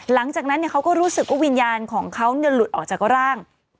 หลังจากนั้นเขาก็รู้สึกว่าวิญญาณของเขาหลุดออกจากร่าง